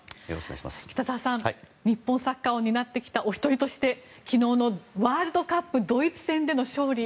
北澤さん、日本サッカーを担ってきたお一人として昨日のワールドカップドイツ戦での勝利